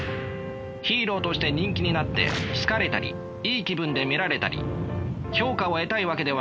ヒーローとして人気になって好かれたりいい気分で見られたり評価を得たいわけではないのだから。